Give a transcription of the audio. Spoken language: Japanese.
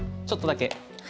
ちょっとだけ。